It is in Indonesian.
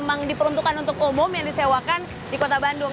memang diperuntukkan untuk umum yang disewakan di kota bandung